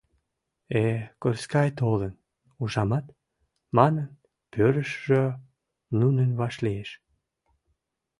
— Э-э, курскай толын, ужамат? — манын, пӧрыжшӧ нуным вашлиеш.